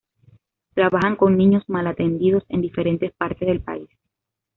Trabajan con niños mal atendidos en diferentes partes del país.